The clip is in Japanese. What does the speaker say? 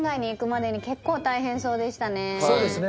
そうですね。